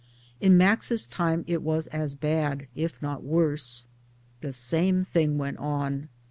In Max's time it was as bad, if not worse. The same thing! went on.